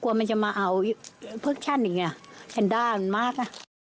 กลัวมันจะมาเอาเพิ่งฉั่นอย่างเงี้ยฉันด้ามันมากอะ